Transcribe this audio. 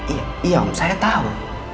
iya om saya tahu